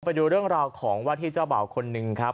ไปดูเรื่องราวของวาทิเจ้าเบาคนนึงครับ